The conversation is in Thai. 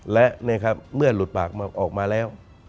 และเมื่อหลุดปากออกมาแล้ว